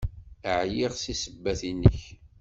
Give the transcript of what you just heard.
Ɛyiɣ seg ssebbat-nnek!